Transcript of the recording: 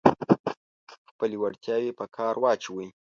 خپلې وړتیاوې په کار واچوئ.